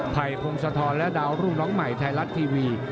ไทยพงศาธรณ์และดาวรูปร้องใหม่ไทรัฐทีวี